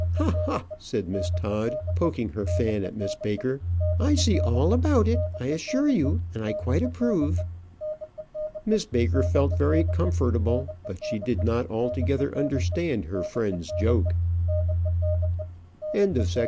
"Ha! ha!" said Miss Todd, poking her fan at Miss Baker, "I see all about it, I assure you; and I quite approve." Miss Baker felt very comfortable, but she did not altogether understand her friend's joke. CHAPTER VIII.